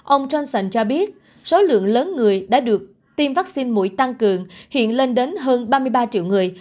ông johnson cho biết số lượng lớn người đã được tiêm vaccine mũi tăng cường hiện lên đến hơn ba mươi ba triệu người